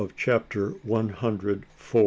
CHAPTER ONE HUNDRED FIVE.